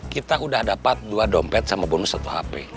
kita udah dapet dua dompet sama bonus satu hape